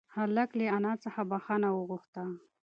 هلک له انا څخه بښنه وغوښته.